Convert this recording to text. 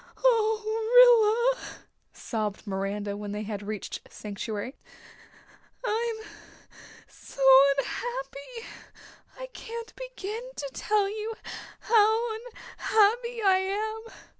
"Oh, Rilla," sobbed Miranda, when they had reached sanctuary. "I'm so unhappy. I can't begin to tell you how unhappy I am.